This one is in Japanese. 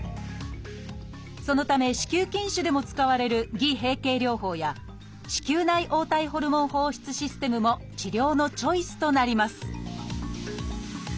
そのため子宮筋腫でも使われる偽閉経療法や子宮内黄体ホルモン放出システムも治療のチョイスとなります